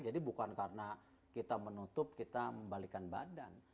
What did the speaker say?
jadi bukan karena kita menutup kita membalikan badan